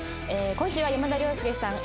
今週は山田涼介さん